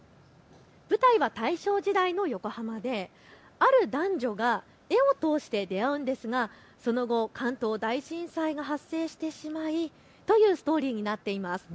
舞台は大正時代の横浜である男女が絵を通して出会うんですが、その後、関東大震災が発生してしまい、というストーリーになっています。